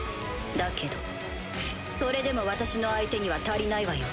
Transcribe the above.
だけどそれでも私の相手には足りないわよ。